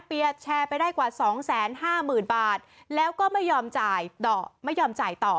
เปียร์แชร์ไปได้กว่าสองแสนห้าหมื่นบาทแล้วก็ไม่ยอมจ่ายต่อไม่ยอมจ่ายต่อ